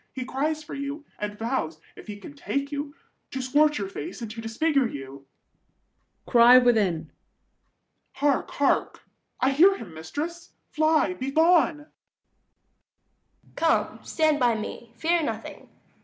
He cries for you, and vows, if he can take you, To scorch your face and to disfigure you. [Cry within. Hark, hark! I hear him, mistress: fly, be gone! Duke. Come, stand by me; fear nothing.